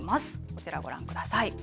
こちらご覧ください。